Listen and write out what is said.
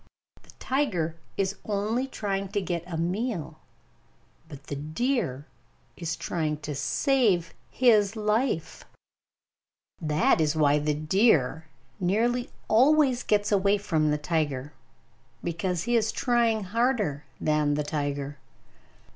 The tiger is only trying to get a meal, but the deer is trying to save his life. That is why the deer nearly always gets away from the tiger because he is trying harder than the tiger.